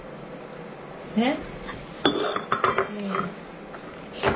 えっ？